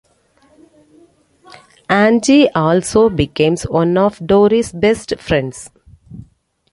Angie also becomes one of Doris' best friends.